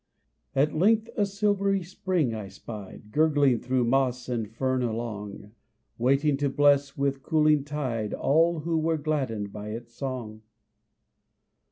At length a silvery spring I spied, Gurgling through moss and fern along, Waiting to bless with cooling tide All who were gladdened by its song.